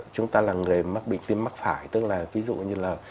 chúng ta là người mắc bệnh tim mắc phải tức là ví dụ như là